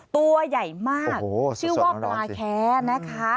ตัวใหญ่มากชื่อว่าปลาแค้นะคะ